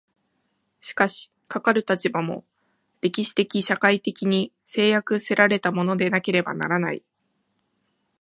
しかしかかる立場も、歴史的社会的に制約せられたものでなければならない。